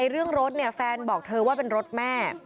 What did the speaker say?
เรื่องรถแฟนบอกเธอว่าเป็นรถแม่